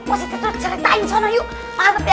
ustadz musa ceritain sana yuk